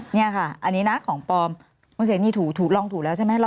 นี่ค่ะอันนี้นะของปลอมคุณเสนีถูกลองถูกแล้วใช่ไหม